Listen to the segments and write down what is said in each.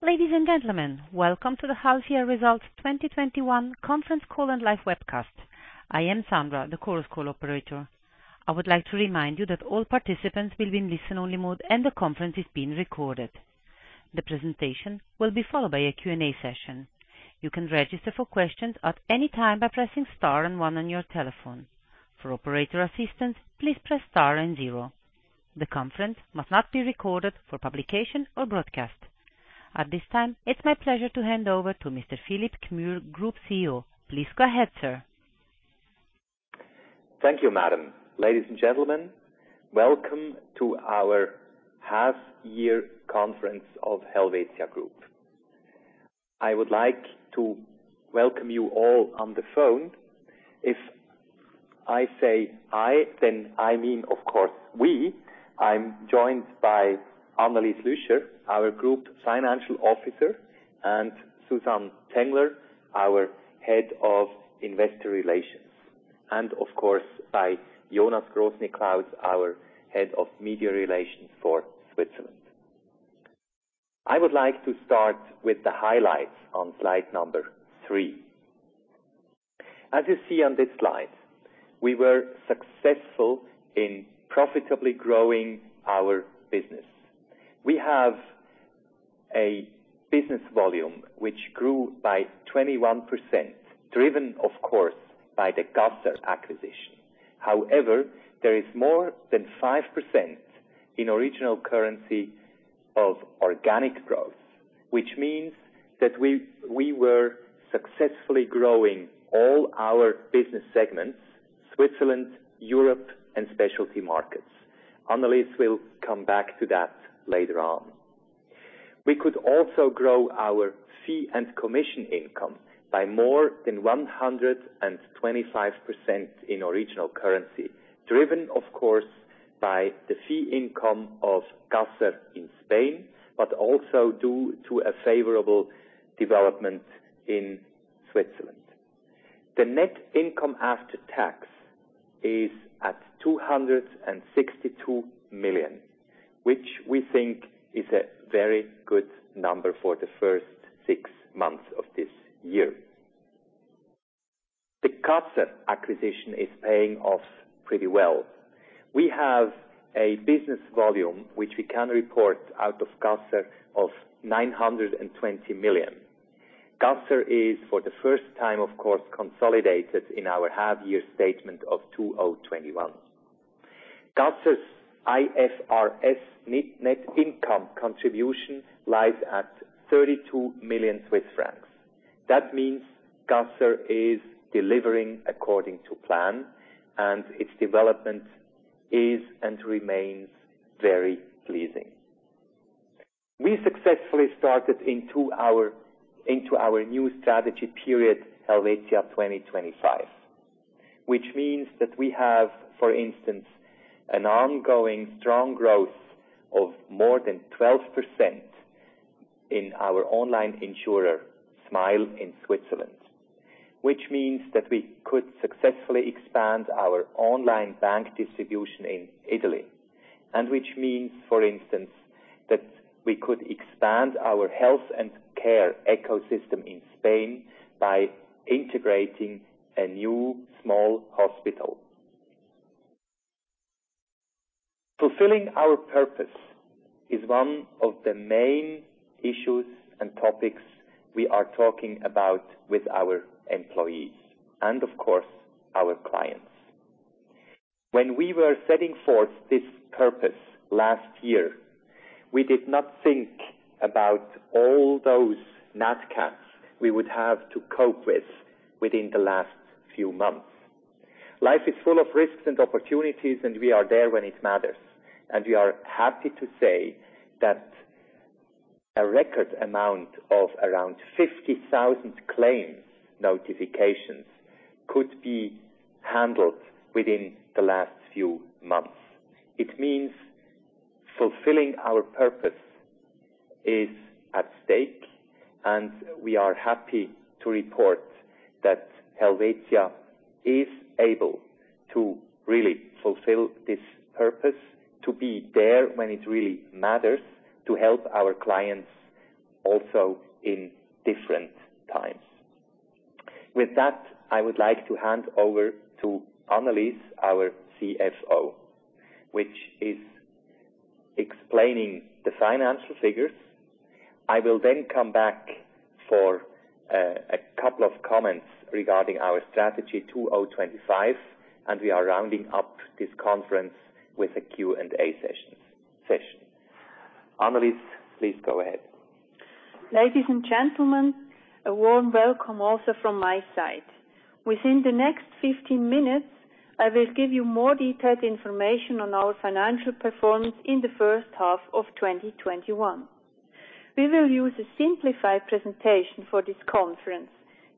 Ladies and gentlemen, welcome to the Half Year 2021 Results conference call and live webcast. I am Sandra, the conference call operator. I would like to remind you that all participants will be in listen-only mode, and the conference is being recorded. The presentation will be followed by a Q&A session. You can register for questions at any time by pressing star and one on your telephone. For operator assistance, please press star and zero. The conference must not be recorded for publication or broadcast. At this time, it's my pleasure to hand over to Mr. Philipp Gmür, Group CEO. Please go ahead, sir. Thank you, madam. Ladies and gentlemen, welcome to our half-year conference of Helvetia Group. I would like to welcome you all on the phone. If I say I mean, of course, we. I'm joined by Annelis Lüscher, our Group Chief Financial Officer, Susanne Tengler, our Head of Investor Relations, and of course, by Jonas Grossniklaus, our Head of Media Relations for Switzerland. I would like to start with the highlights on slide number three. As you see on this slide, we were successful in profitably growing our business. We have a business volume which grew by 21%, driven, of course, by the Caser acquisition. There is more than 5% in original currency of organic growth. Which means that we were successfully growing all our business segments, Switzerland, Europe, and specialty markets. Annelis will come back to that later on. We could also grow our fee and commission income by more than 125% in original currency, driven, of course, by the fee income of Caser in Spain, but also due to a favorable development in Switzerland. The net income after tax is at 262 million, which we think is a very good number for the first six months of this year. The Caser acquisition is paying off pretty well. We have a business volume, which we can report out of Caser, of 920 million. Caser is, for the first time, of course, consolidated in our half-year statement of 2021. Caser's IFRS net income contribution lies at 32 million Swiss francs. That means Caser is delivering according to plan, and its development is and remains very pleasing. We successfully started into our new strategy period, Helvetia 2025. Which means that we have, for instance, an ongoing strong growth of more than 12% in our online insurer Smile in Switzerland. Which means that we could successfully expand our online bank distribution in Italy, Which means, for instance, that we could expand our health and care ecosystem in Spain by integrating a new small hospital. Fulfilling our purpose is one of the main issues and topics we are talking about with our employees and, of course, our clients. When we were setting forth this purpose last year, we did not think about all those nat cats we would have to cope with within the last few months. Life is full of risks and opportunities, We are there when it matters. We are happy to say that a record amount of around 50,000 claim notifications could be handled within the last few months. It means fulfilling our purpose is at stake, and we are happy to report that Helvetia is able to really fulfill this purpose to be there when it really matters to help our clients also in different times. With that, I would like to hand over to Annelis, our CFO, which is explaining the financial figures. I will then come back for a couple of comments regarding our Helvetia 2025, and we are rounding up this conference with a Q&A session. Annelis, please go ahead. Ladies and gentlemen, a warm welcome also from my side. Within the next 15 minutes, I will give you more detailed information on our financial performance in the first half of 2021. We will use a simplified presentation for this conference.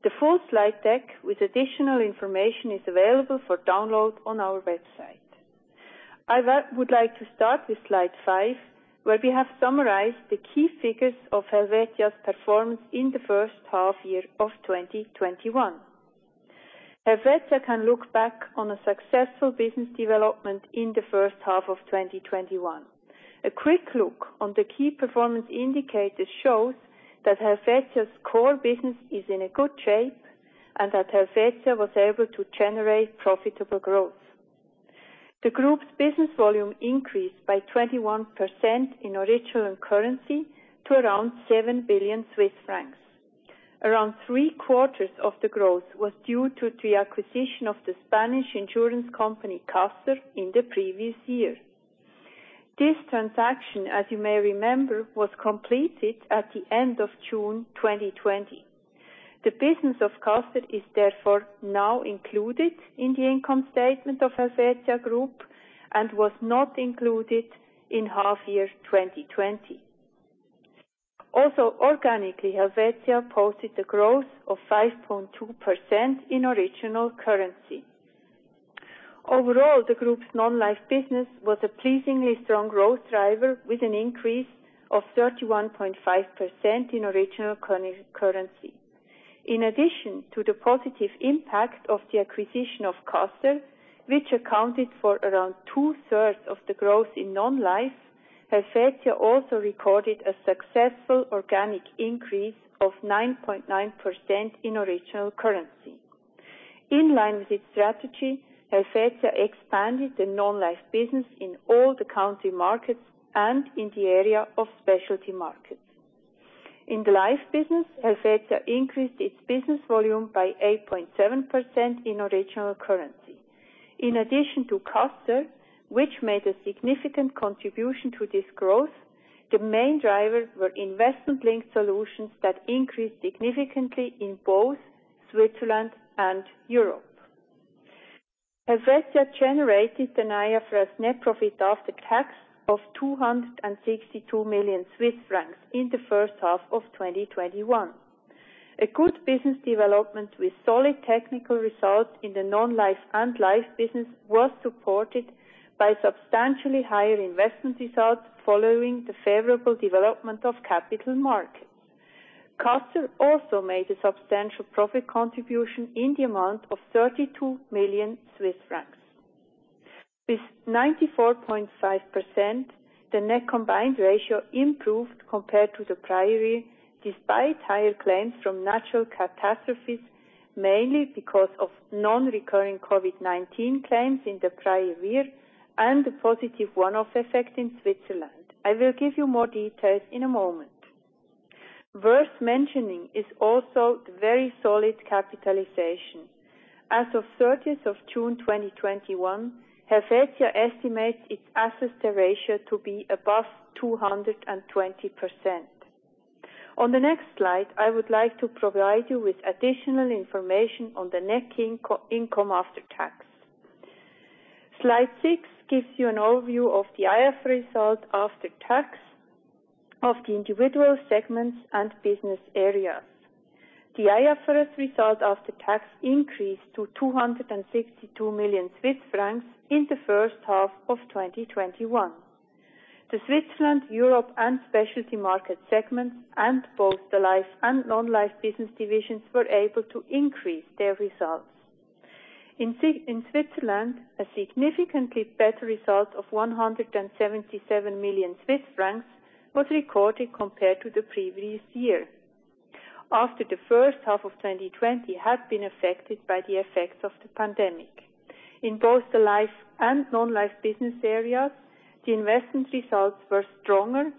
The full slide deck with additional information is available for download on our website. I would like to start with slide five, where we have summarized the key figures of Helvetia's performance in the first half of 2021. Helvetia can look back on a successful business development in the first half of 2021. A quick look on the key performance indicators shows that Helvetia's core business is in a good shape and that Helvetia was able to generate profitable growth. The group's business volume increased by 21% in original currency to around 7 billion Swiss francs. Around three quarters of the growth was due to the acquisition of the Spanish insurance company, Caser, in the previous year. This transaction, as you may remember, was completed at the end of June 2020. The business of Caser is therefore now included in the income statement of Helvetia Group and was not included in half year 2020. Organically, Helvetia posted a growth of 5.2% in original currency. Overall, the group's non-life business was a pleasingly strong growth driver with an increase of 31.5% in original currency. In addition to the positive impact of the acquisition of Caser, which accounted for around 2/3 of the growth in non-life, Helvetia also recorded a successful organic increase of 9.9% in original currency. In line with its strategy, Helvetia expanded the non-life business in all the country markets and in the area of specialty markets. In the life business, Helvetia increased its business volume by 8.7% in original currency. In addition to Caser, which made a significant contribution to this growth, the main drivers were investment-linked solutions that increased significantly in both Switzerland and Europe. Helvetia generated an IFRS net profit after tax of 262 million Swiss francs in the first half of 2021. A good business development with solid technical results in the non-life and life business was supported by substantially higher investment results following the favorable development of capital markets. Caser also made a substantial profit contribution in the amount of 32 million Swiss francs. With 94.5%, the net combined ratio improved compared to the prior year, despite higher claims from natural catastrophes, mainly because of non-recurring COVID-19 claims in the prior year and the positive one-off effect in Switzerland. I will give you more details in a moment. Worth mentioning is also the very solid capitalization. As of June 30, 2021, Helvetia estimates its SST ratio to be above 220%. On the next slide, I would like to provide you with additional information on the net income after tax. Slide six gives you an overview of the IFRS result after tax of the individual segments and business areas. The IFRS result after tax increased to 262 million Swiss francs in the first half of 2021. The Switzerland, Europe and specialty market segments and both the life and non-life business divisions were able to increase their results. In Switzerland, a significantly better result of 177 million Swiss francs was recorded compared to the previous year. After the first half of 2020 had been affected by the effects of the pandemic. In both the life and non-life business areas, the investment results were stronger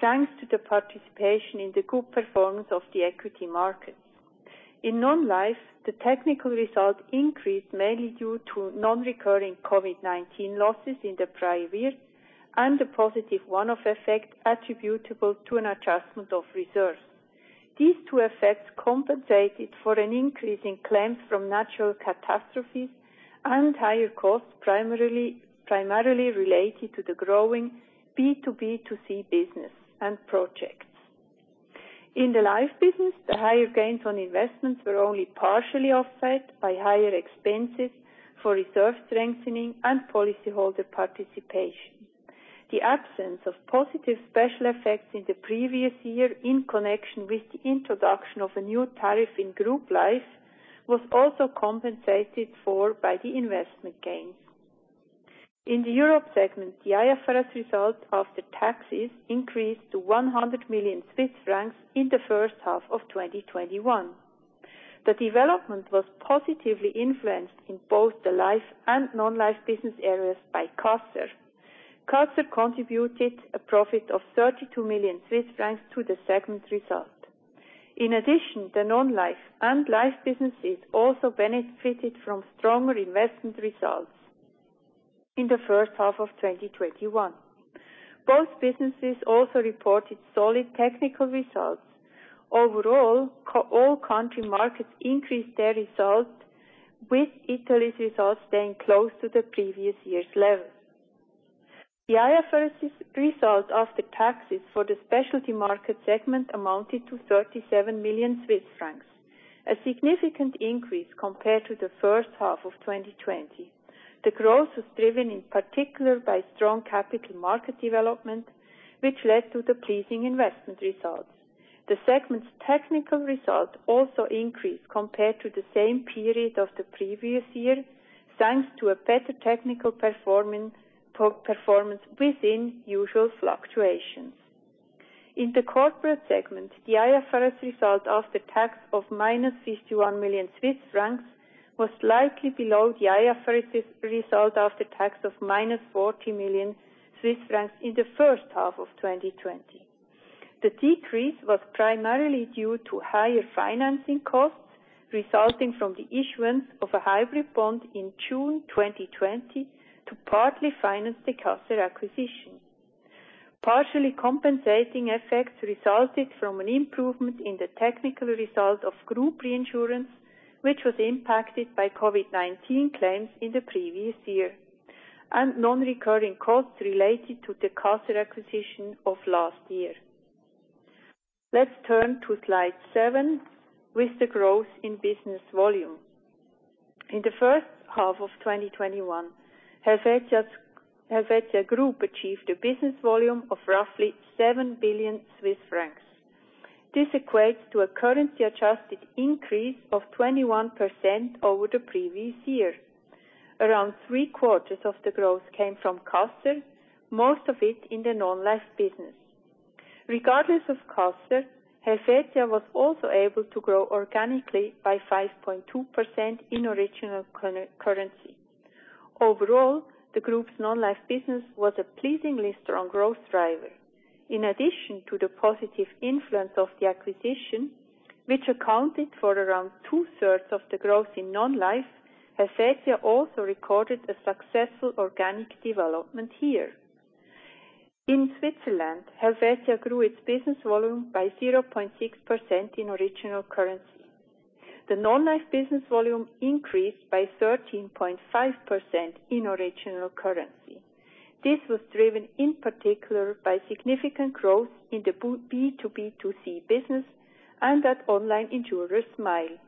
thanks to the participation in the good performance of the equity markets. In non-life, the technical result increased mainly due to non-recurring COVID-19 losses in the prior year and the positive one-off effect attributable to an adjustment of reserves. These two effects compensated for an increase in claims from natural catastrophes and higher costs primarily related to the growing B2B2C business and projects. In the life business, the higher gains on investments were only partially offset by higher expenses for reserve strengthening and policyholder participation. The absence of positive special effects in the previous year in connection with the introduction of a new tariff in group life was also compensated for by the investment gains. In the Europe segment, the IFRS result after taxes increased to 100 million Swiss francs in first half 2021. The development was positively influenced in both the life and non-life business areas by Caser. Caser contributed a profit of 32 million Swiss francs to the segment result. The non-life and life businesses also benefited from stronger investment results in first half 2021. Both businesses also reported solid technical results. All country markets increased their results with Italy's results staying close to the previous year's levels. The IFRS result after taxes for the specialty market segment amounted to 37 million Swiss francs, a significant increase compared to first half 2020. The growth was driven in particular by strong capital market development, which led to the pleasing investment results. The segment's technical result also increased compared to the same period of the previous year, thanks to a better technical performance within usual fluctuations. In the corporate segment, the IFRS result after tax of minus 51 million Swiss francs was slightly below the IFRS result after tax of minus 40 million Swiss francs in the first half of 2020. The decrease was primarily due to higher financing costs resulting from the issuance of a hybrid bond in June 2020 to partly finance the Caser acquisition. Partially compensating effects resulted from an improvement in the technical result of group reinsurance, which was impacted by COVID-19 claims in the previous year and non-recurring costs related to the Caser acquisition of last year. Let's turn to slide seven with the growth in business volume. In the first half of 2021, Helvetia Group achieved a business volume of roughly 7 billion Swiss francs. This equates to a currency-adjusted increase of 21% over the previous year. Around three quarters of the growth came from Caser, most of it in the non-life business. Regardless of Caser, Helvetia was also able to grow organically by 5.2% in original currency. Overall, the group's non-life business was a pleasingly strong growth driver. In addition to the positive influence of the acquisition, which accounted for around two-thirds of the growth in non-life, Helvetia also recorded a successful organic development here. In Switzerland, Helvetia grew its business volume by 0.6% in original currency. The non-life business volume increased by 13.5% in original currency. This was driven in particular by significant growth in the B2B2C business and at online insurer Smile,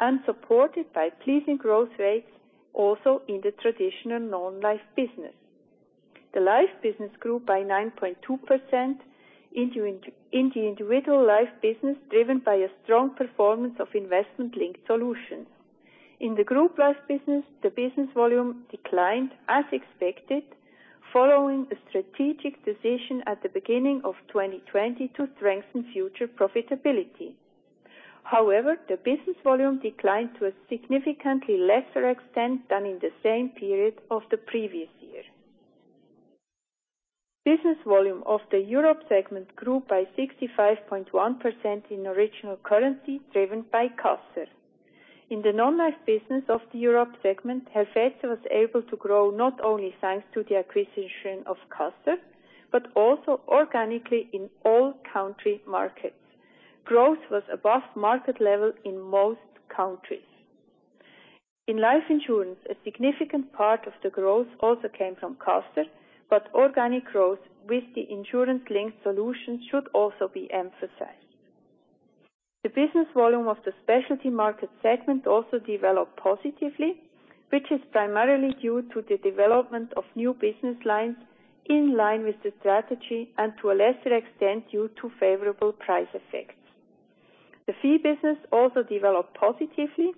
and supported by pleasing growth rates also in the traditional non-life business. The life business grew by 9.2% in the individual life business, driven by a strong performance of investment-linked solutions. In the group life business, the business volume declined as expected, following a strategic decision at the beginning of 2020 to strengthen future profitability. However, the business volume declined to a significantly lesser extent than in the same period of the previous year. Business volume of the Europe segment grew by 65.1% in original currency, driven by Caser. In the non-life business of the Europe segment, Helvetia was able to grow not only thanks to the acquisition of Caser, but also organically in all country markets. Growth was above market level in most countries. In life insurance, a significant part of the growth also came from Caser, but organic growth with the investment-linked solutions should also be emphasized. The business volume of the specialty market segment also developed positively, which is primarily due to the development of new business lines in line with the strategy and to a lesser extent, due to favorable price effects. The fee business also developed positively.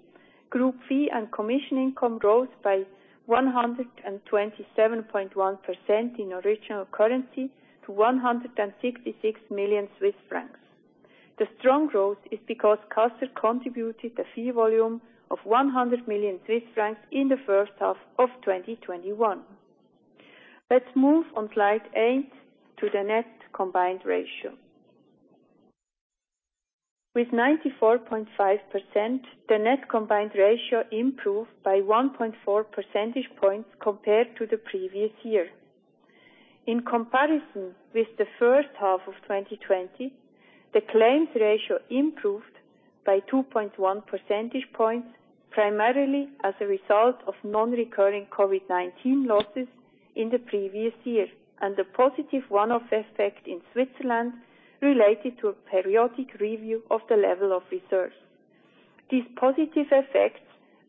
Group fee and commission income growth by 127.1% in original currency to 166 million Swiss francs. The strong growth is because Caser contributed a fee volume of 100 million Swiss francs in the first half of 2021. Let's move on slide eight to the net combined ratio. With 94.5%, the net combined ratio improved by 1.4 percentage points compared to the previous year. In comparison with the first half of 2020, the claims ratio improved by 2.1 percentage points, primarily as a result of non-recurring COVID-19 losses in the previous year, and a positive one-off effect in Switzerland related to a periodic review of the level of reserves. These positive effects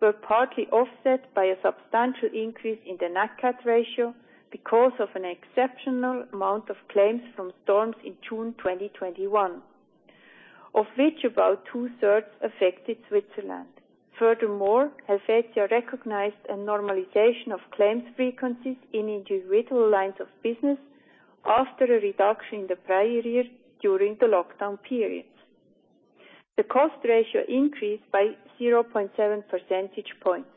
were partly offset by a substantial increase in the nat cat ratio because of an exceptional amount of claims from storms in June 2021, of which about two-thirds affected Switzerland. Furthermore, Helvetia recognized a normalization of claims frequencies in individual lines of business after a reduction in the prior year during the lockdown periods. The cost ratio increased by 0.7 percentage points.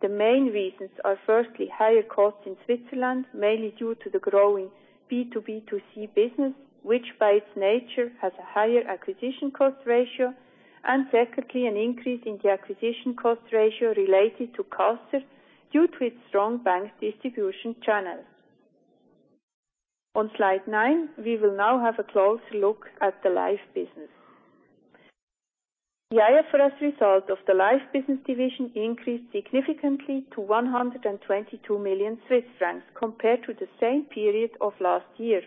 The main reasons are, firstly, higher costs in Switzerland, mainly due to the growing B2B2C business, which by its nature has a higher acquisition cost ratio. Secondly, an increase in the acquisition cost ratio related to Caser due to its strong bank distribution channels. On slide nine, we will now have a closer look at the life business. The IFRS result of the life business division increased significantly to 122 million Swiss francs compared to the same period of last year.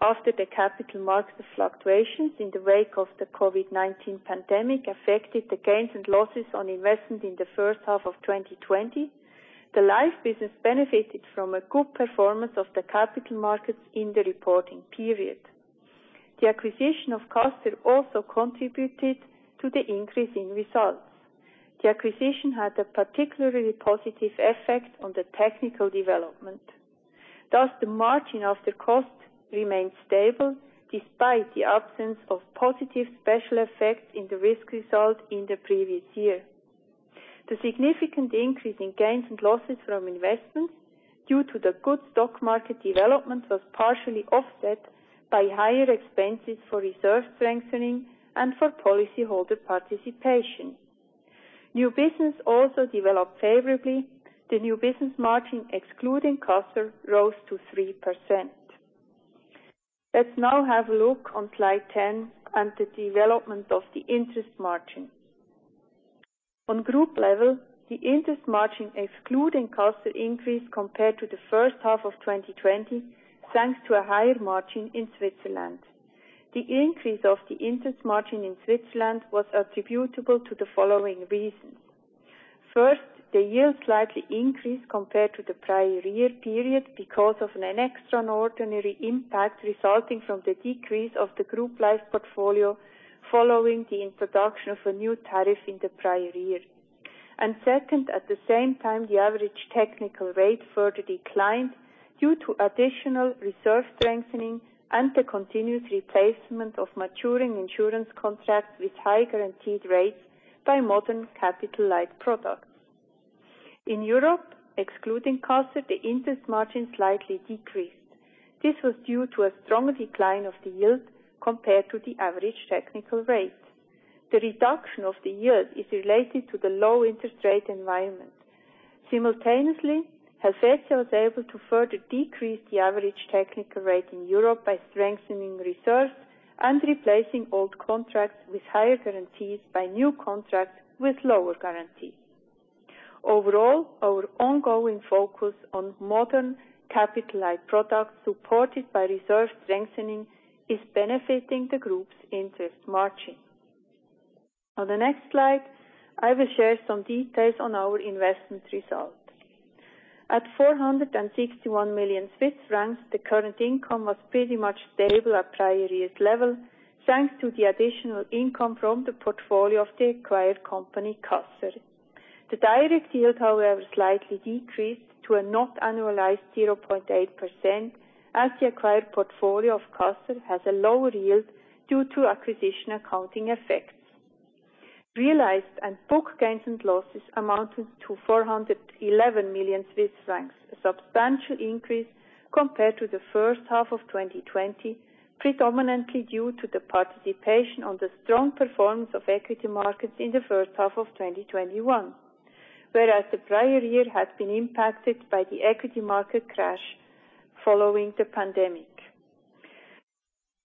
After the capital markets fluctuations in the wake of the COVID-19 pandemic affected the gains and losses on investment in the first half of 2020. The life business benefited from a good performance of the capital markets in the reporting period. The acquisition of Caser also contributed to the increase in results. The acquisition had a particularly positive effect on the technical development. Thus, the margin of the cost remained stable despite the absence of positive special effects in the risk result in the previous year. The significant increase in gains and losses from investments due to the good stock market development was partially offset by higher expenses for reserve strengthening and for policyholder participation. New business also developed favorably. The new business margin, excluding Caser, rose to 3%. Let's now have a look on slide 10 and the development of the interest margin. On group level, the interest margin excluding Caser increased compared to the first half of 2020, thanks to a higher margin in Switzerland. The increase of the interest margin in Switzerland was attributable to the following reasons. First, the yield slightly increased compared to the prior year period because of an extraordinary impact resulting from the decrease of the group life portfolio following the introduction of a new tariff in the prior year. Second, at the same time, the average technical rate further declined due to additional reserve strengthening and the continuous replacement of maturing insurance contracts with high guaranteed rates by modern capital light products. In Europe, excluding Caser, the interest margin slightly decreased. This was due to a stronger decline of the yield compared to the average technical rate. The reduction of the yield is related to the low interest rate environment. Simultaneously, Helvetia was able to further decrease the average technical rate in Europe by strengthening reserves and replacing old contracts with higher guarantees by new contracts with lower guarantees. Overall, our ongoing focus on modern capital light products supported by reserve strengthening is benefiting the group's interest margin. On the next slide, I will share some details on our investment result. At 461 million Swiss francs, the current income was pretty much stable at prior year's level, thanks to the additional income from the portfolio of the acquired company, Caser. The direct yield, however, slightly decreased to a not annualized 0.8% as the acquired portfolio of Caser has a lower yield due to acquisition accounting effects. Realized and book gains and losses amounted to 411 million Swiss francs, a substantial increase compared to the first half of 2020, predominantly due to the participation on the strong performance of equity markets in the first half of 2021. Whereas the prior year had been impacted by the equity market crash following the pandemic.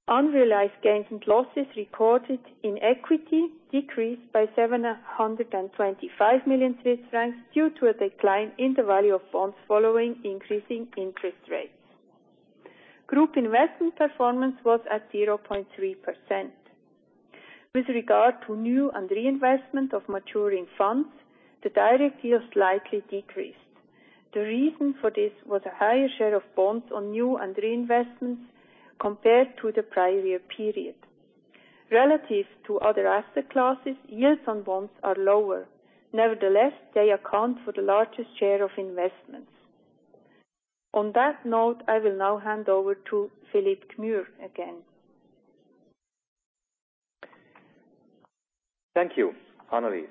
Unrealized gains and losses recorded in equity decreased by 725 million Swiss francs due to a decline in the value of bonds following increasing interest rates. Group investment performance was at 0.3%. With regard to new and reinvestment of maturing funds, the direct yield slightly decreased. The reason for this was a higher share of bonds on new and reinvestments compared to the prior year period. Relative to other asset classes, yields on bonds are lower. Nevertheless, they account for the largest share of investments. On that note, I will now hand over to Philipp Gmür again. Thank you, Annelis.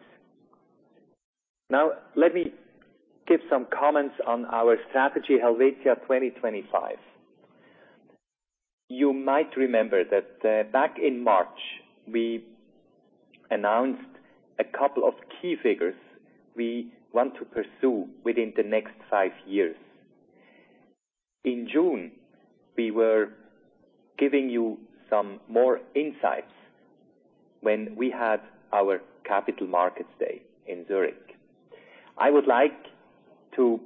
Let me give some comments on our strategy, Helvetia 2025. You might remember that back in March, we announced a couple of key figures we want to pursue within the next five years. In June, we were giving you some more insights when we had our capital markets day in Zurich. I would like to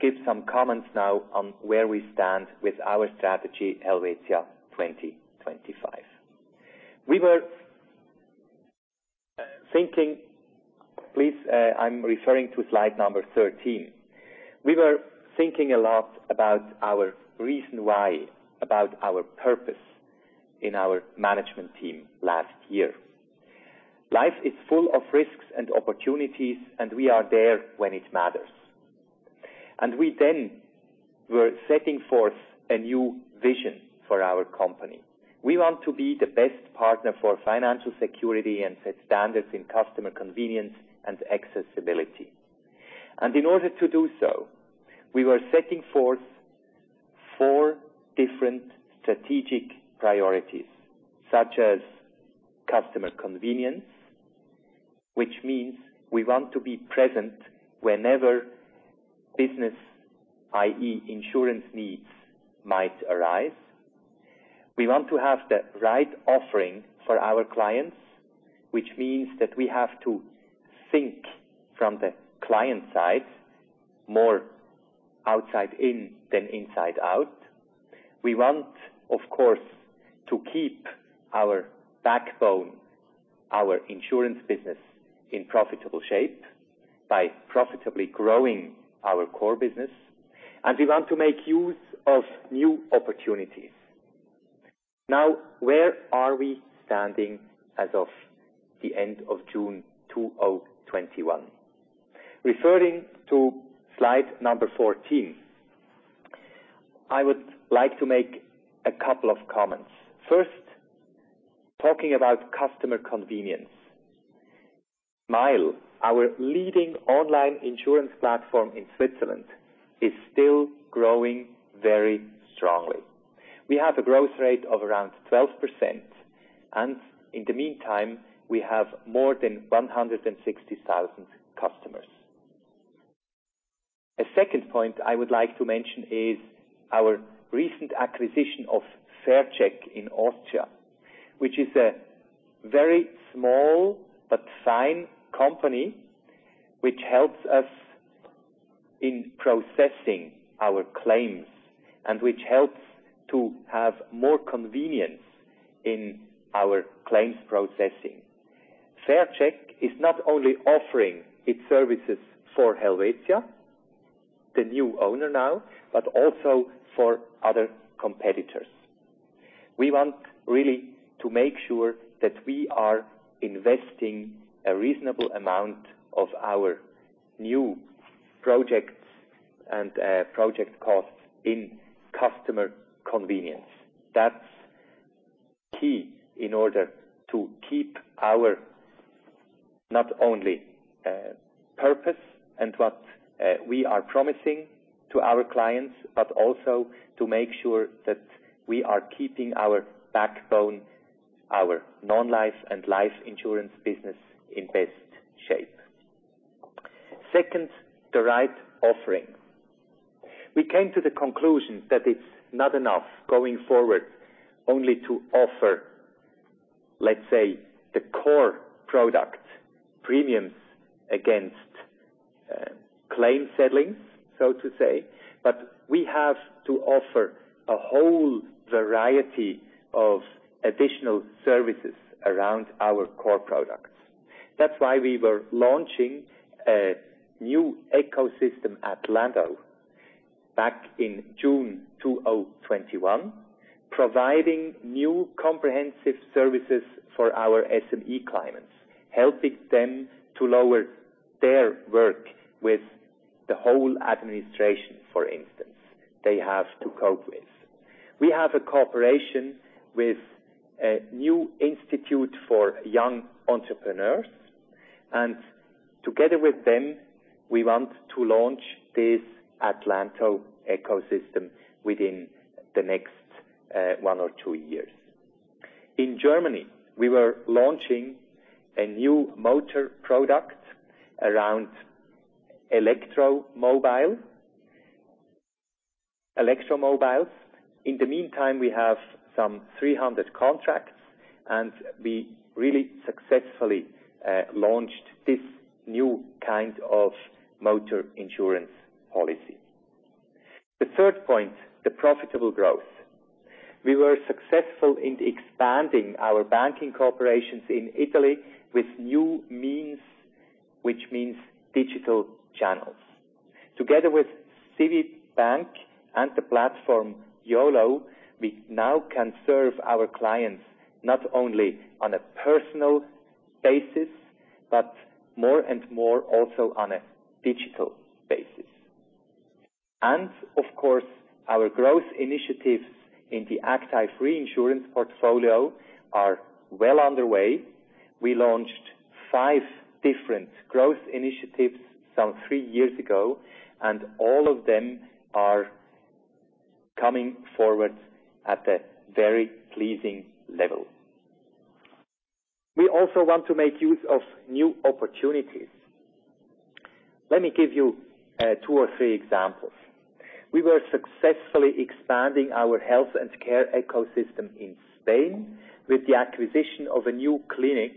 give some comments now on where we stand with our strategy, Helvetia 2025. Please, I'm referring to slide number 13. We were thinking a lot about our reason why, about our purpose in our management team last year. Life is full of risks and opportunities, and we are there when it matters. We then were setting forth a new vision for our company. We want to be the best partner for financial security and set standards in customer convenience and accessibility. In order to do so, we were setting forth four different strategic priorities, such as customer convenience, which means we want to be present whenever business, i.e., insurance needs might arise. We want to have the right offering for our clients, which means that we have to think from the client side more outside in than inside out. We want, of course, to keep our backbone, our insurance business in profitable shape by profitably growing our core business, and we want to make use of new opportunities. Where are we standing as of the end of June 2021? Referring to slide number 14, I would like to make a couple of comments. First, talking about customer convenience. Smile, our leading online insurance platform in Switzerland, is still growing very strongly. We have a growth rate of around 12%, and in the meantime, we have more than 160,000 customers. A second point I would like to mention is our recent acquisition of faircheck in Austria, which is a very small but fine company which helps us in processing our claims and which helps to have more convenience in our claims processing. Faircheck is not only offering its services for Helvetia, the new owner now, but also for other competitors. We want really to make sure that we are investing a reasonable amount of our new projects and project costs in customer convenience. That's key in order to keep not only our purpose and what we are promising to our clients, but also to make sure that we are keeping our backbone, our non-life and life insurance business, in best shape. Second, the right offering. We came to the conclusion that it's not enough going forward only to offer, let's say, the core product premiums against claim settling, so to say, but we have to offer a whole variety of additional services around our core products. That's why we were launching a new ecosystem, Atlanto, back in June 2021, providing new comprehensive services for our SME clients, helping them to lower their work with the whole administration, for instance, they have to cope with. We have a cooperation with a new institute for young entrepreneurs. Together with them, we want to launch this Atlanto ecosystem within the next one or two years. In Germany, we were launching a new motor product around electro mobiles. In the meantime, we have some 300 contracts. We really successfully launched this new kind of motor insurance policy. The third point, the profitable growth. We were successful in expanding our banking corporations in Italy with new means, which means digital channels. Together with CheBanca! and the platform YOLO, we now can serve our clients not only on a personal basis, but more and more also on a digital basis. Of course, our growth initiatives in the active reinsurance portfolio are well underway. We launched five different growth initiatives some three years ago. All of them are coming forward at a very pleasing level. We also want to make use of new opportunities. Let me give you two or three examples. We were successfully expanding our health and care ecosystem in Spain with the acquisition of a new clinic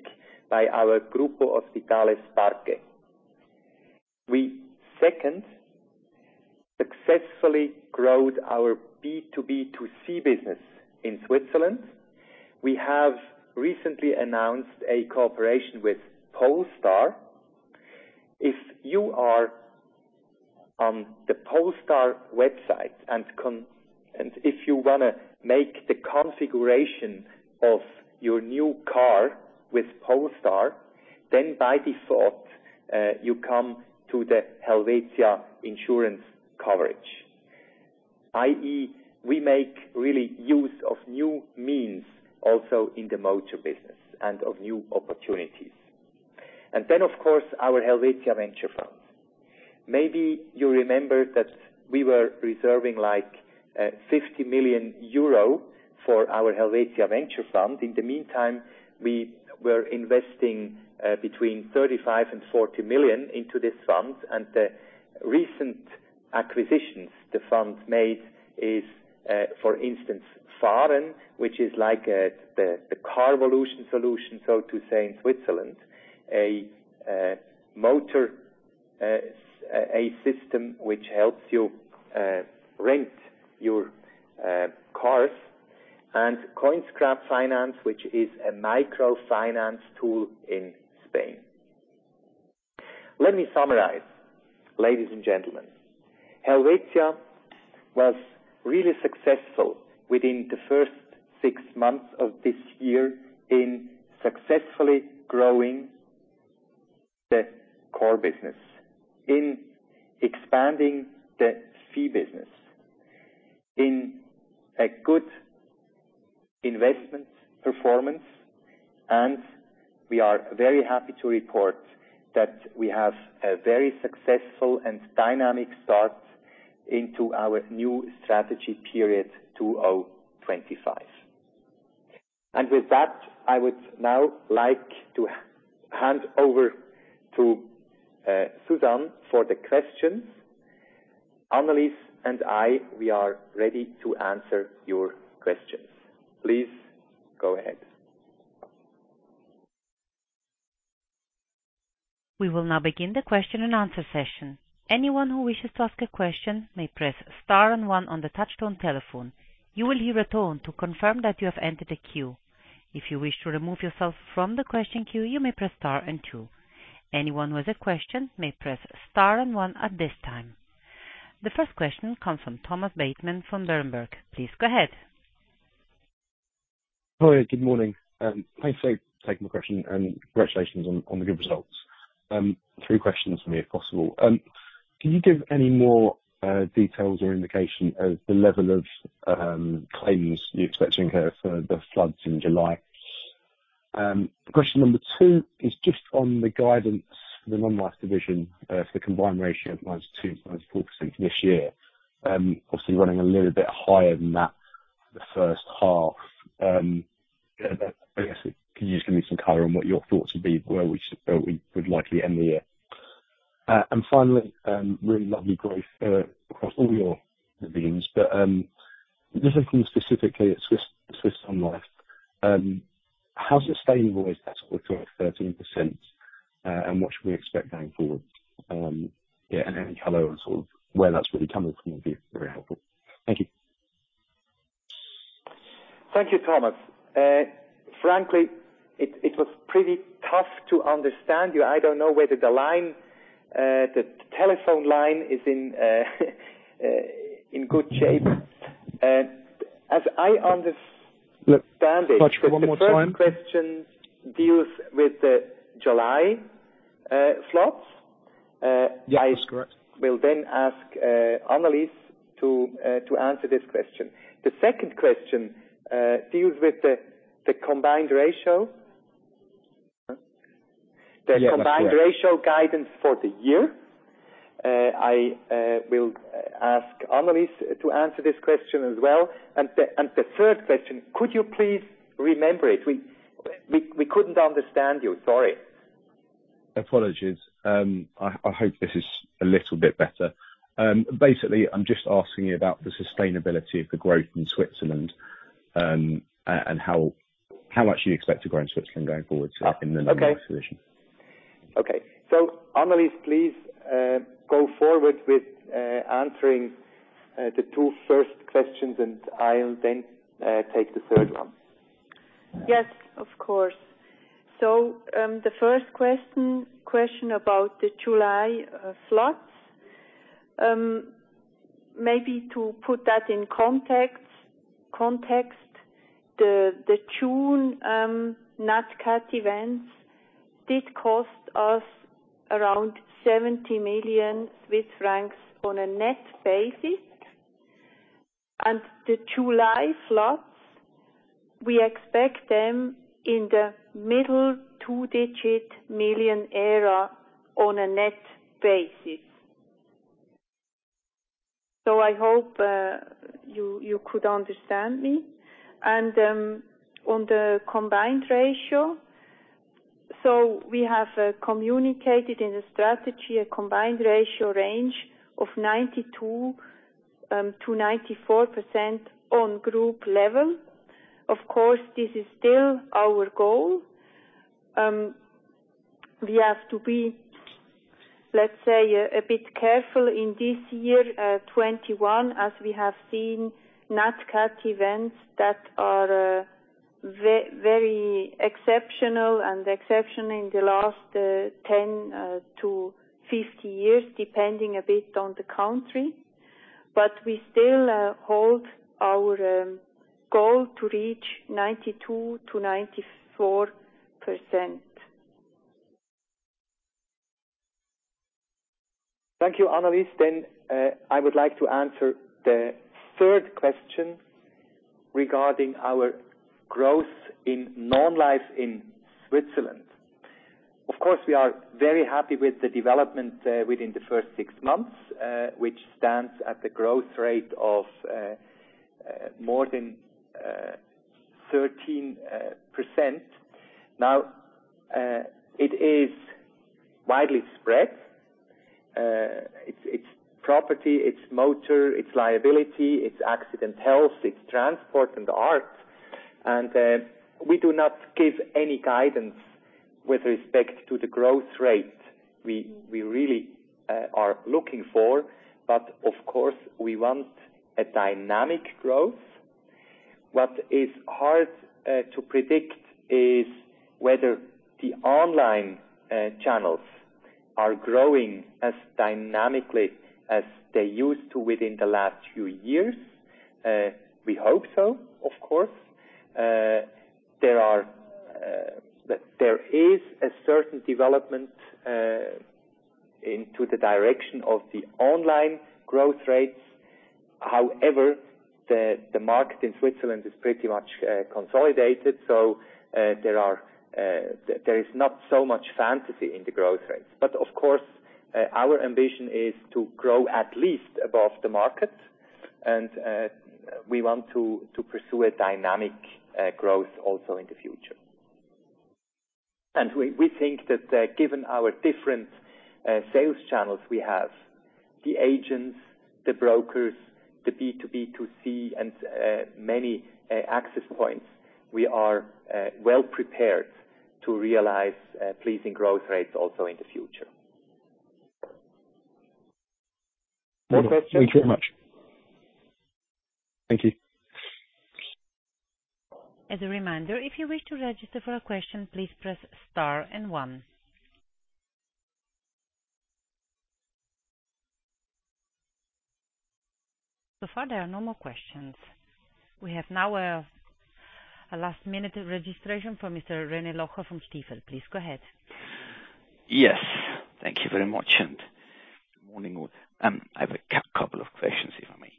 by our Grupo Hospitales Parque. We, second, successfully grow our B2B2C business in Switzerland. We have recently announced a cooperation with Polestar. If you are on the Polestar website, and if you want to make the configuration of your new car with Polestar, then by default, you come to the Helvetia insurance coverage. i.e., we make really use of new means also in the motor business and of new opportunities. Then, of course, our Helvetia Venture Fund. Maybe you remember that we were reserving 50 million euro for our Helvetia Venture Fund. In the meantime, we were investing between 35 million and 40 million into this fund. The recent acquisitions the fund made is, for instance, FAAREN, which is like the Carvolution solution, so to say, in Switzerland. A motor system which helps you rent your cars. Coinscrap Finance, which is a microfinance tool in Spain. Let me summarize, ladies and gentlemen. Helvetia was really successful within the first six months of this year in successfully growing the core business, in expanding the fee business, in a good investment performance, and we are very happy to report that we have a very successful and dynamic start into our new strategy period Helvetia 2025. With that, I would now like to hand over to Susanne for the questions. Annelis and I, we are ready to answer your questions. Please go ahead. The first question comes from Thomas Bateman from Berenberg. Please go ahead. Hiya, good morning. Congratulations on the good results. Three questions from me, if possible. Can you give any more details or indication of the level of claims you're expecting here for the floods in July? Question number two is just on the guidance for the non-life division for the combined ratio of -2%, -4% this year. Obviously, running a little bit higher than that the first half. I guess, can you just give me some color on what your thoughts would be where we would likely end the year? Finally, really lovely growth across all your divisions. Listening from specifically Swiss non-life. How's it staying at that sort of 12%, 13%? What should we expect going forward? Yeah, any color on sort of where that's really coming from would be very helpful. Thank you. Thank you, Thomas. Frankly, it was pretty tough to understand you. I don't know whether the telephone line is in good shape. Look, can I try one more time? The first question deals with the July floods. Yeah, that's correct. I will ask Annelis to answer this question. The second question deals with the combined ratio. Yeah, that's correct. The combined ratio guidance for the year. I will ask Annelis to answer this question as well. The third question, could you please remember it? We couldn't understand you, sorry. Apologies. I hope this is a little bit better. Basically, I am just asking you about the sustainability of the growth in Switzerland and how much you expect to grow in Switzerland going forward in the non-life solution. Okay. Annelis please go forward with answering the two first questions, and I'll then take the third one. Yes, of course. The first question about the July floods. Maybe to put that in context, the June nat cat events did cost us around 70 million Swiss francs on a net basis. The July floods, we expect them in the middle two-digit million figure on a net basis. I hope you could understand me. On the combined ratio. We have communicated in the strategy a combined ratio range of 92%-94% on group level. Of course, this is still our goal. We have to be, let's say, a bit careful in this year 2021, as we have seen nat cat events that are very exceptional, and exceptional in the last 10-15 years, depending a bit on the country. We still hold our goal to reach 92%-94%. Thank you, Annelis. I would like to answer the third question regarding our growth in non-life in Switzerland. Of course, we are very happy with the development within the first six months, which stands at the growth rate of more than 13%. It is widely spread. It's property, it's motor, it's liability, it's accident health, it's transport, and art. We do not give any guidance with respect to the growth rate we really are looking for. Of course, we want a dynamic growth. What is hard to predict is whether the online channels are growing as dynamically as they used to within the last few years. We hope so, of course. There is a certain development into the direction of the online growth rates. However, the market in Switzerland is pretty much consolidated, so there is not so much fantasy in the growth rates. Of course, our ambition is to grow at least above the market. We want to pursue a dynamic growth also in the future. We think that given our different sales channels we have, the agents, the brokers, the B2B2C, and many access points, we are well-prepared to realize pleasing growth rates also in the future. No questions. Thank you very much. Thank you. As a reminder, if you wish to register for a question, please press star one. Far, there are no more questions. We have now a last-minute registration for Mr. René Locher from Stifel. Please go ahead. Yes. Thank you very much, and good morning all. I have a couple of questions, if I may.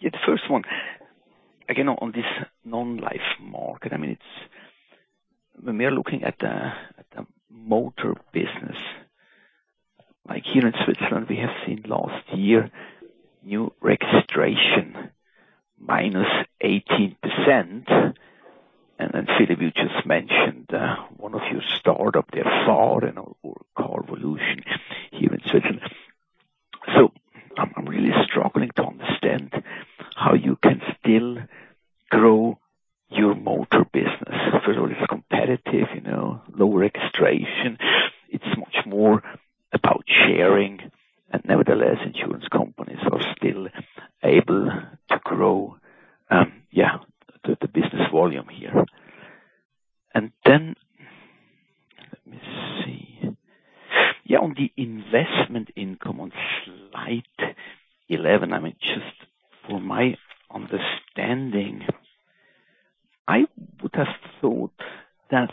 Yeah, the first one, again, on this non-life market. When we are looking at the motor business, like here in Switzerland, we have seen last year new registration -18%. Then Philipp Gmür, you just mentioned one of your startup, the FAAREN and Carvolution here in Switzerland. I'm really struggling to understand how you can still grow your motor business. First of all, it's competitive, low registration. It's much more about sharing, and nevertheless, insurance companies are still able to grow the business volume here. Then, let me see. Yeah, on the investment income on slide 11. Just for my understanding, I would have thought that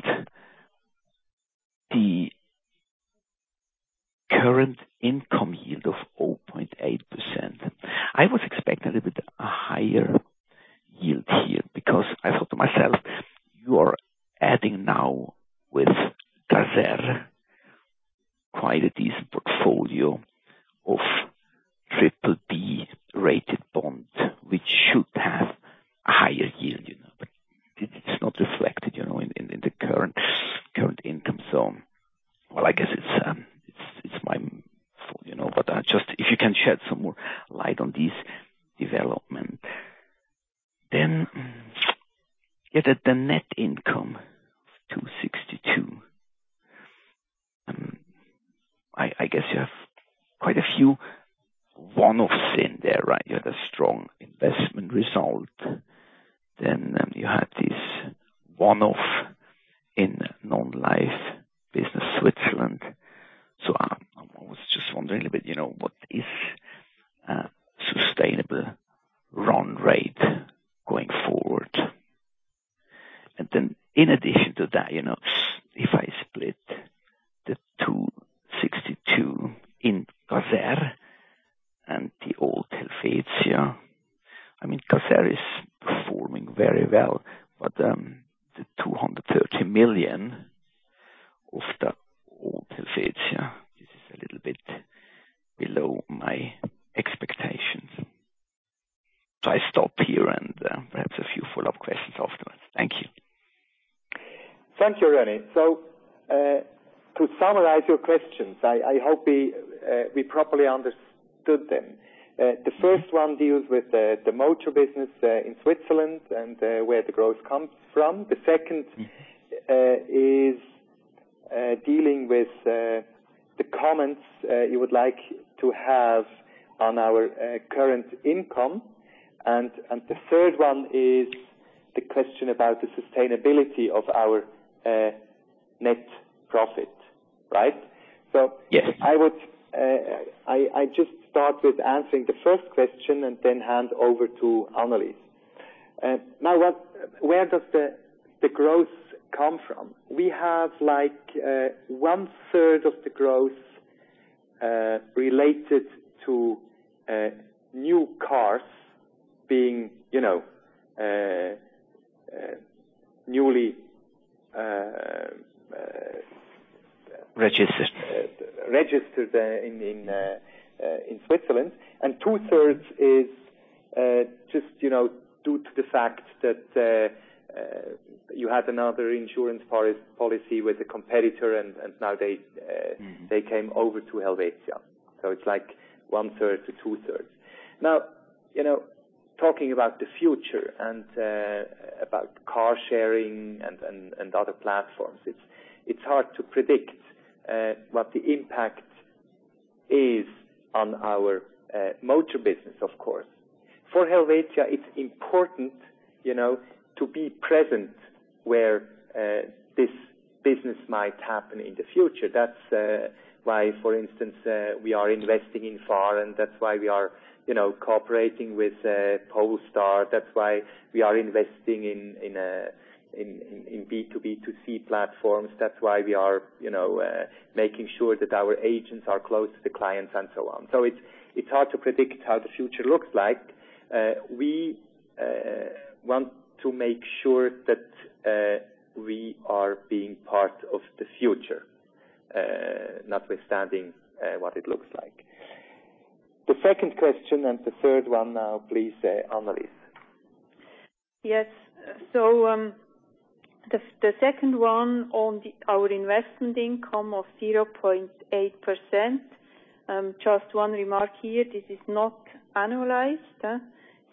the current income yield of 0.8%, I was expecting a little bit higher yield here. I thought to myself, you are adding now with Caser quite a decent portfolio of triple Yes. I just start with answering the first question and then hand over to Annelis. Where does the growth come from? We have one-third of the growth related to new cars being. Registered registered in Switzerland. 2/3 is just due to the fact that you had another insurance policy with a competitor, and now they came over to Helvetia. It's like 1/3 to 2/3. Talking about the future and about car sharing and other platforms, it's hard to predict what the impact is on our motor business, of course. For Helvetia, it's important to be present where this business might happen in the future. That's why, for instance, we are investing in FAAREN and that's why we are cooperating with Polestar. That's why we are investing in B2B to C platforms. That's why we are making sure that our agents are close to the clients and so on. It's hard to predict how the future looks like. We want to make sure that we are being part of the future notwithstanding what it looks like. The second question and the third one now, please, Annelis. Yes. The second one on our investment income of 0.8%. Just one remark here, this is not annualized,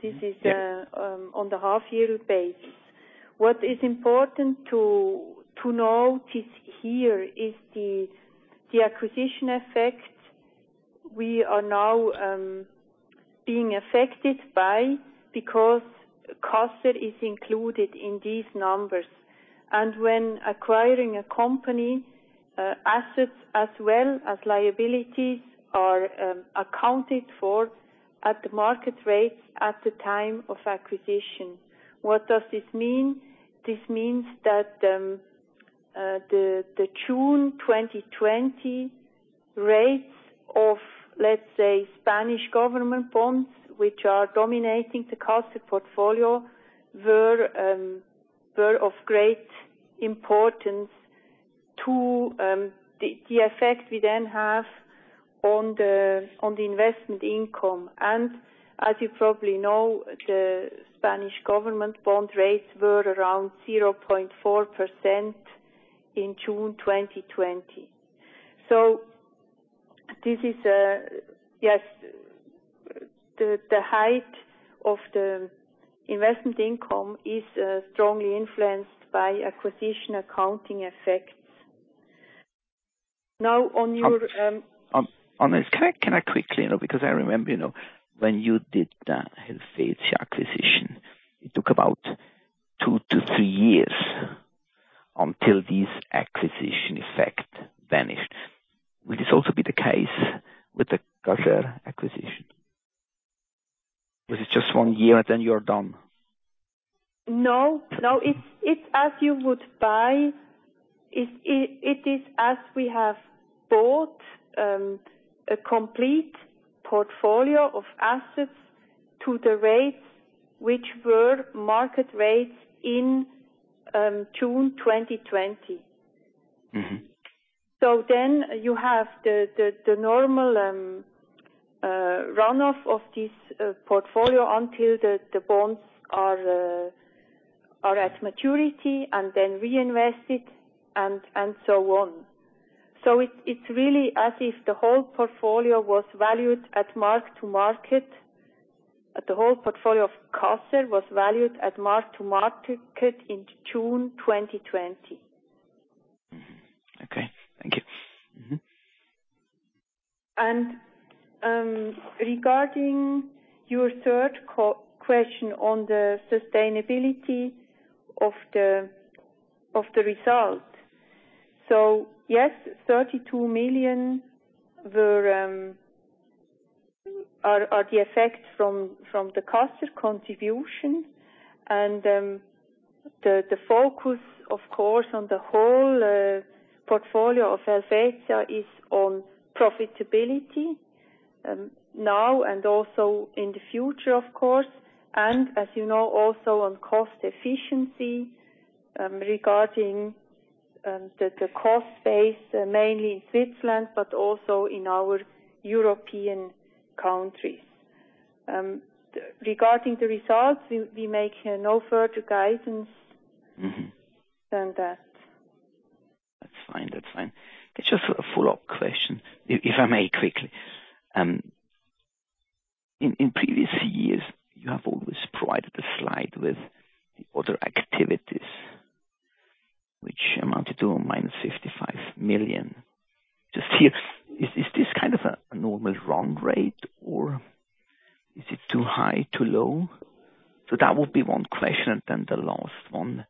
this is on the half-yearly basis. What is important to note here is the acquisition effect we are now being affected by because Caser is included in these numbers. When acquiring a company, assets as well as liabilities are accounted for at the market rates at the time of acquisition. What does this mean? This means that the June 2020 rates of, let's say, Spanish government bonds, which are dominating the Caser portfolio, were of great importance to the effect we then have on the investment income. As you probably know, the Spanish government bond rates were around 0.4% in June 2020. Yes, the height of the investment income is strongly influenced by acquisition accounting effects. Annelis, can I quickly, because I remember, when you did that Helvetia acquisition, it took about two to three years until this acquisition effect vanished. Will this also be the case with the Caser acquisition? Was it just one year and then you're done? No, it's as you would buy. It is as we have bought a complete portfolio of assets to the rates which were market rates in June 2020. You have the normal runoff of this portfolio until the bonds are at maturity and then reinvested and so on. It's really as if the whole portfolio was valued at mark to market. The whole portfolio of Caser was valued at mark to market in June 2020. Okay. Thank you. Mm-hmm. Regarding your third question on the sustainability of the result. Yes, CHF 32 million are the effects from the Caser contribution. The focus, of course, on the whole portfolio of Helvetia is on profitability now and also in the future, of course. As you know, also on cost efficiency regarding the cost base mainly in Switzerland but also in our European countries. Regarding the results, we make no further guidance than that. That's fine. A follow-up question, if I may quickly. In previous years, you have always provided a slide with the other activities which amounted to -55 million. Here, is this kind of a normal run rate or is it too high, too low? That would be one question. The last one.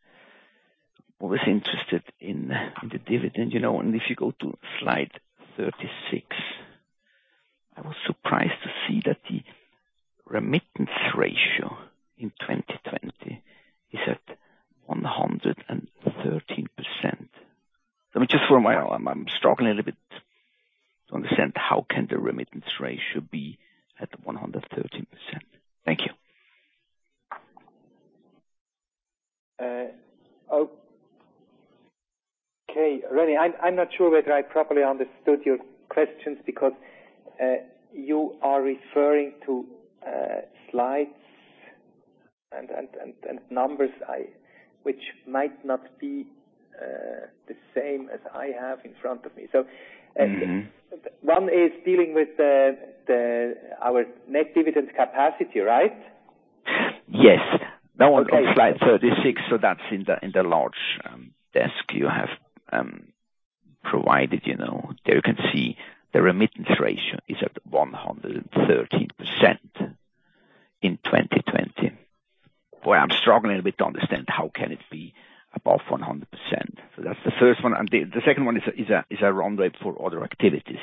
I was interested in the dividend. If you go to slide 36, I was surprised to see that the remittance ratio in 2020 is at 113%. I'm struggling a little bit to understand how can the remittance ratio be at 113%. Thank you. Okay. René, I'm not sure whether I properly understood your questions because you are referring to slides and numbers which might not be the same as I have in front of me. One is dealing with our net dividend capacity, right? Yes. That one on slide 36, so that's in the large desk you have provided. There you can see the remittance ratio is at 113% in 2020. Where I'm struggling a bit to understand how can it be above 100%. That's the first one. The second one is a runway for other activities.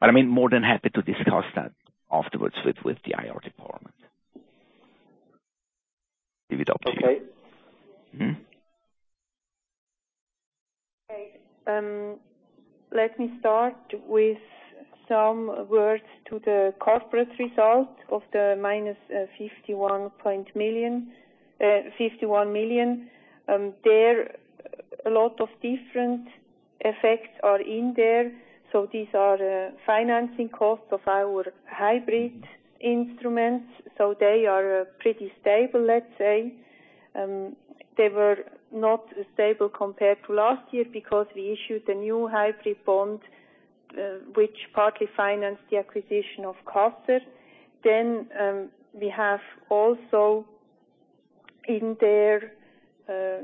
I'm more than happy to discuss that afterwards with the IR department. Leave it up to you. Okay. Okay. Let me start with some words to the corporate results of the -51 million. There, a lot of different effects are in there. These are the financing costs of our hybrid instruments. They are pretty stable, let's say. They were not stable compared to last year because we issued a new hybrid bond, which partly financed the acquisition of Caser. We have also in there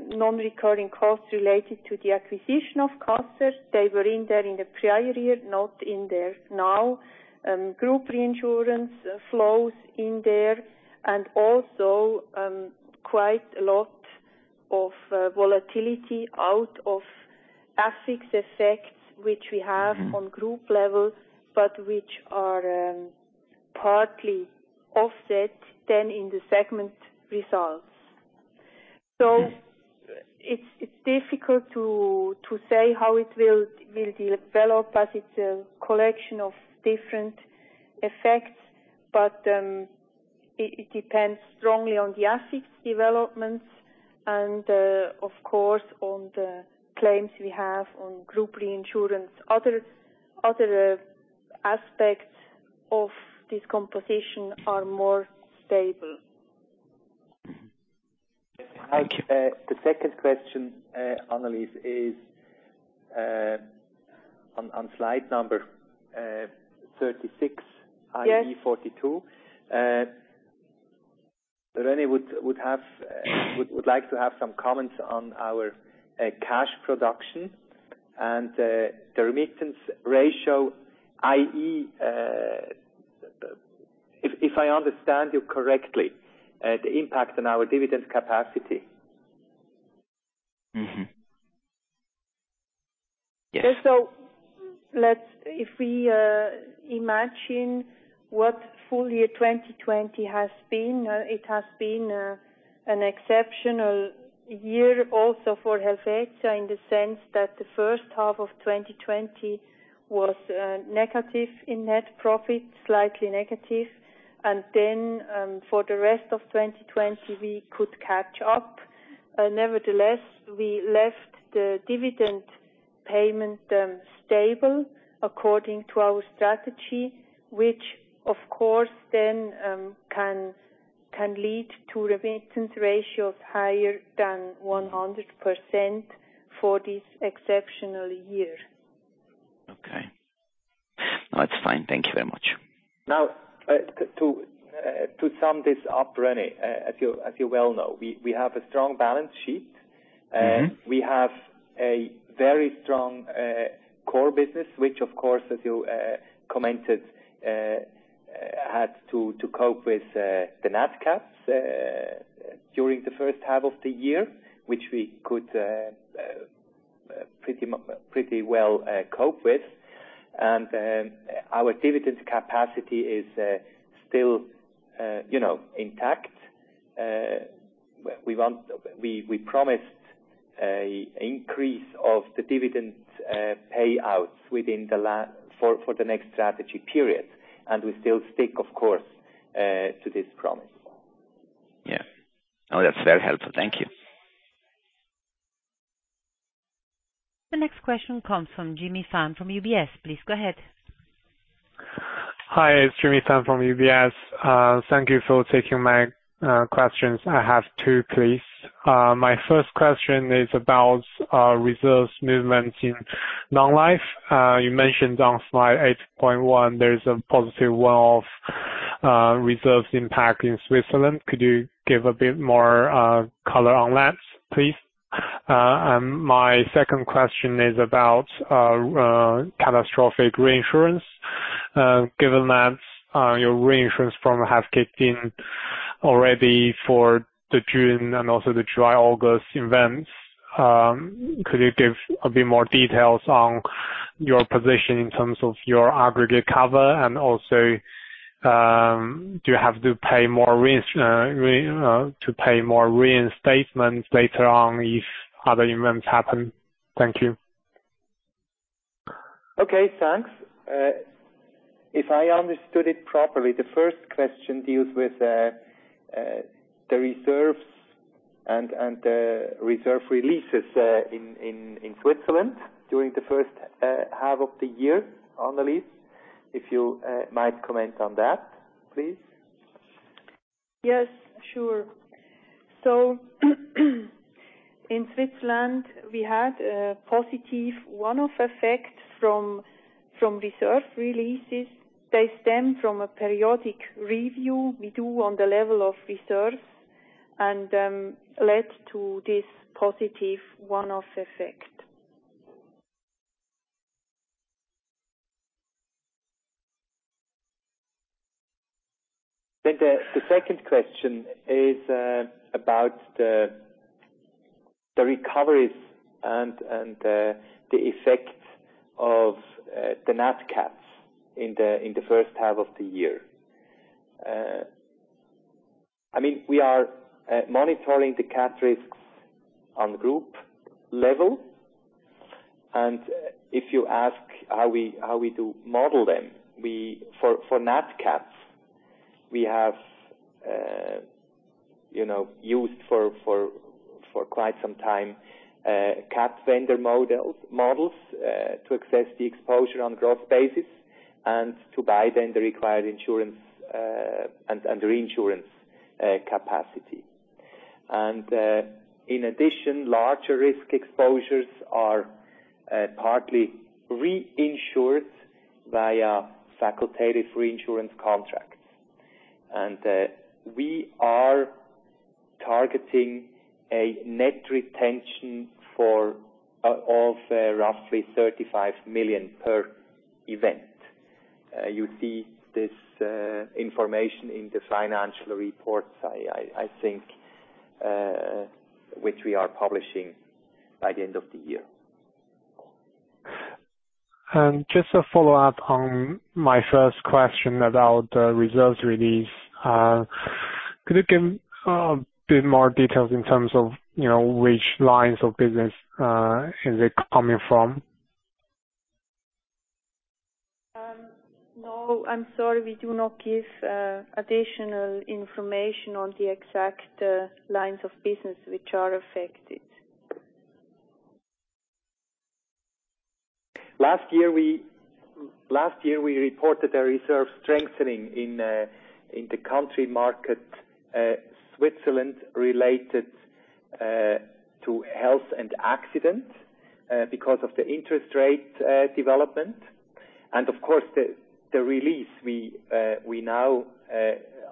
non-recurring costs related to the acquisition of Caser. They were in there in the prior year, not in there now. Group reinsurance flows in there. Also, quite a lot of volatility out of assets effects which we have on group level, but which are partly offset then in the segment results. It's difficult to say how it will develop as it's a collection of different effects. It depends strongly on the assets developments and, of course, on the claims we have on group reinsurance. Other aspects of this composition are more stable. Thank you. Hi, the second question, Annelis, is on slide number 36. Yes René would like to have some comments on our cash production and the remittance ratio, i.e., if I understand you correctly, the impact on our dividend capacity. Yes. If we imagine what full year 2020 has been, it has been an exceptional year also for Helvetia in the sense that the first half of 2020 was negative in net profit, slightly negative. For the rest of 2020, we could catch up. Nevertheless, we left the dividend payment stable according to our strategy, which of course then can lead to remittance ratios higher than 100% for this exceptional year. Okay. No, that's fine. Thank you very much. Now, to sum this up, René, as you well know, we have a strong balance sheet. We have a very strong core business, which of course, as you commented, had to cope with the nat cats during the first half of the year, which we could pretty well cope with. Our dividends capacity is still intact. We promised an increase of the dividends payouts for the next strategy period, we still stick, of course, to this promise. Yeah. No, that's very helpful. Thank you. The next question comes from Jimmy Fan from UBS. Please go ahead. Hi, it's Jimmy Fan from UBS. Thank you for taking my questions. I have two, please. My first question is about reserves movements in non-life. You mentioned on slide 8.1 there's a positive one-off reserves impact in Switzerland. Could you give a bit more color on that, please? My second question is about catastrophic reinsurance. Given that your reinsurance firm has kicked in already for the June and also the July, August events, could you give a bit more details on your position in terms of your aggregate cover? Do you have to pay more reinstatements later on if other events happen? Thank you. Okay, thanks. If I understood it properly, the first question deals with the reserves and the reserve releases in Switzerland during the first half of the year, Annelis, if you might comment on that, please. Yes, sure. In Switzerland, we had a positive one-off effect from reserve releases. They stem from a periodic review we do on the level of reserves and led to this positive one-off effect. The second question is about the recoveries and the effects of the nat cats in the first half of the year. We are monitoring the cat risks on group level, and if you ask how we do model them, for nat cats, we have used for quite some time, catastrophe vendor models to assess the exposure on gross basis and to buy then the required insurance and reinsurance capacity. In addition, larger risk exposures are partly reinsured via facultative reinsurance contracts. We are targeting a net retention of roughly 35 million per event. You see this information in the financial reports, I think, which we are publishing by the end of the year. Just a follow-up on my first question about reserves release. Could you give a bit more details in terms of which lines of business is it coming from? No. I'm sorry. We do not give additional information on the exact lines of business which are affected. Last year, we reported a reserve strengthening in the country market, Switzerland related to health and accident because of the interest rate development. Of course, the release we now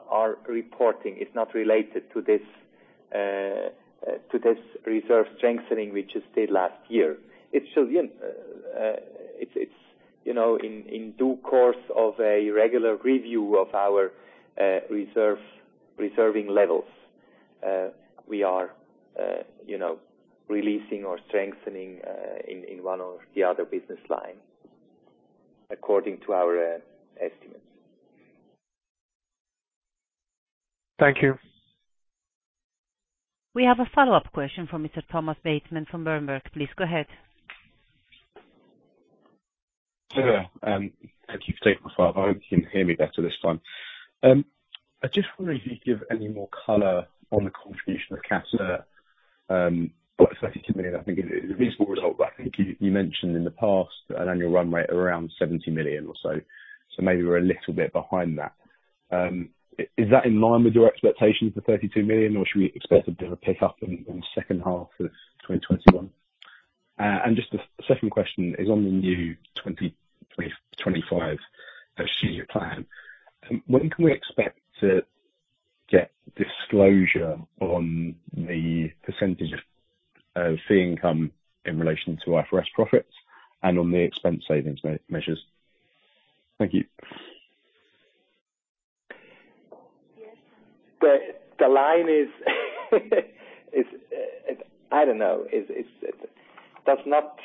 are reporting is not related to this reserve strengthening, which is the last year. It's in due course of a regular review of our reserving levels. We are releasing or strengthening in one or the other business line according to our estimates. Thank you. We have a follow-up question from Mr. Thomas Bateman from Berenberg. Please go ahead. Hello. Thank you. I hope you can hear me better this time. I just wonder if you'd give any more color on the contribution of Caser. 32 million, I think is a reasonable result, but I think you mentioned in the past an annual run rate around 70 million or so. Maybe we're a little bit behind that. Is that in line with your expectations for 32 million? Should we expect a bit of a pick up in second half of 2021? Just the second question is on the new 2025 plan. When can we expect to get disclosure on the percentage of fee income in relation to IFRS profits and on the expense savings measures? Thank you. Yes. The line is I don't know. Does not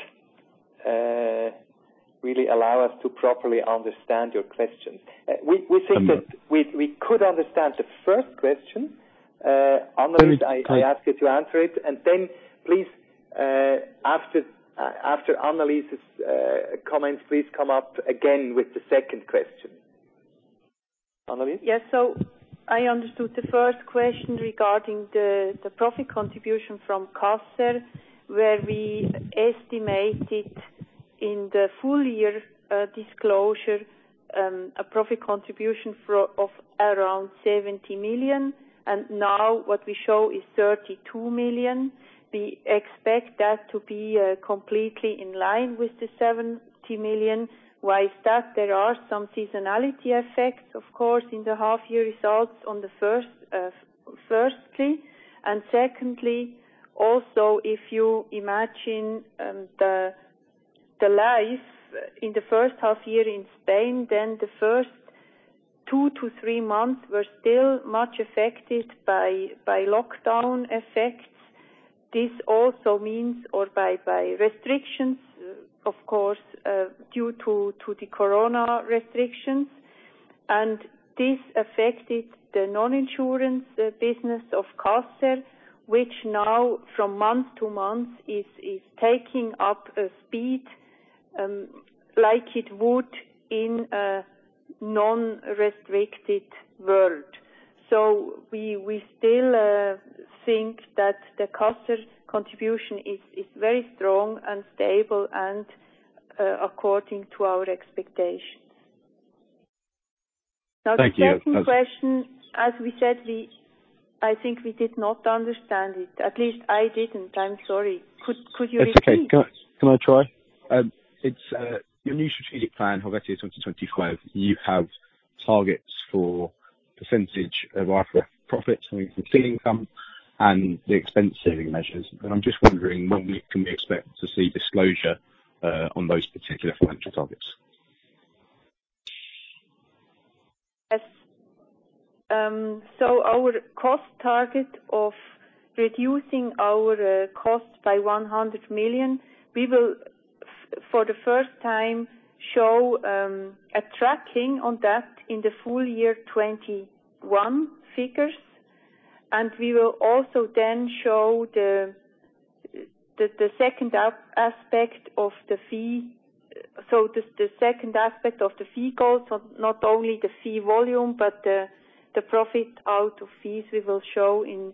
really allow us to properly understand your question. We think that we could understand the first question. Annelis, I ask you to answer it, and then please, after Annelis's comments, please come up again with the second question. Annelis? I understood the first question regarding the profit contribution from Caser, where we estimated in the full year disclosure, a profit contribution of around 70 million, and now what we show is 32 million. We expect that to be completely in line with the 70 million. Why is that? There are some seasonality effects, of course, in the half year results on the firstly. Secondly, also, if you imagine the life in the first half year in Spain, then the first two to three months were still much affected by lockdown effects. This also means or by restrictions, of course, due to the COVID-19 restrictions. This affected the non-insurance business of Caser, which now from month-to-month is taking up a speed like it would in a non-restricted world. We still think that the Caser contribution is very strong and stable and according to our expectations. Thank you. The second question, as we said, I think we did not understand it. At least I didn't. I'm sorry. Could you repeat? That's okay. Can I try? It's your new strategic plan, Helvetia 2025. You have targets for percentage of IFRS profits, I mean, from fee income and the expense saving measures. I'm just wondering when we can expect to see disclosure on those particular financial targets. Our cost target of reducing our cost by 100 million, we will, for the first time, show a tracking on that in the full year 2021 figures. We will also show the second aspect of the fee. The second aspect of the fee goals, not only the fee volume, but the profit out of fees we will show in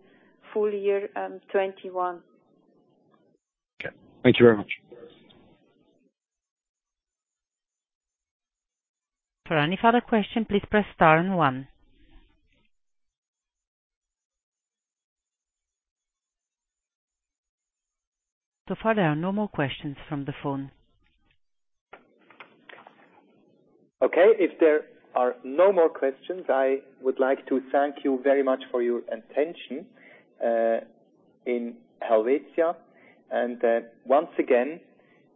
full year 2021. Okay. Thank you very much. For any further question, please press star one. So far, there are no more questions from the phone. Okay. If there are no more questions, I would like to thank you very much for your attention in Helvetia. Once again,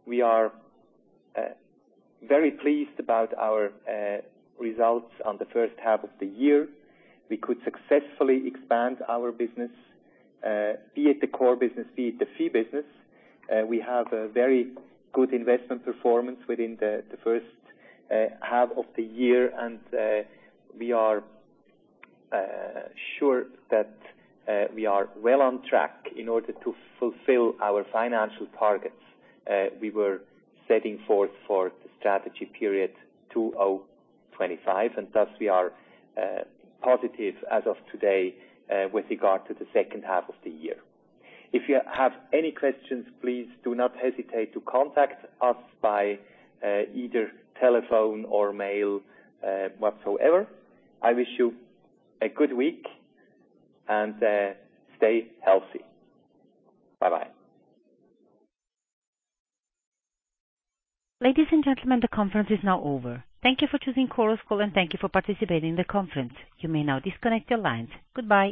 we are very pleased about our results on the first half of the year. We could successfully expand our business, be it the core business, be it the fee business. We have a very good investment performance within the first half of the year. We are sure that we are well on track in order to fulfill our financial targets we were setting forth for the strategy period 2025. Thus, we are positive as of today with regard to the second half of the year. If you have any questions, please do not hesitate to contact us by either telephone or mail whatsoever. I wish you a good week, and stay healthy. Bye-bye. Ladies and gentlemen, the conference is now over. Thank you for choosing Chorus Call, and thank you for participating in the conference. You may now disconnect your lines. Goodbye.